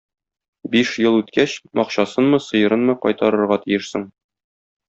Биш ел үткәч, акчасынмы, сыерынмы кайтарырга тиешсең.